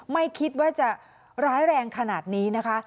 ไม่คิดว่าจะร้ายแรงขนาดนี้นะคะ